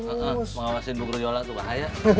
mengawasi bukru yola tuh bahaya